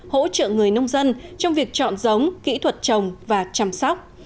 hỗ trợ người nông dân trong việc chọn giống kỹ thuật trồng và chăm sóc